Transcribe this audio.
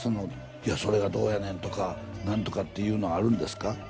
「それがどうやねん」とか「なんとか」っていうのあるんですか？